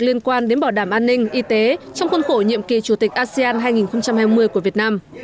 liên quan đến bảo đảm an ninh y tế trong khuôn khổ nhiệm kỳ chủ tịch asean hai nghìn hai mươi của việt nam